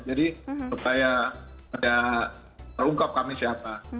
jadi supaya tidak terungkap kami siapa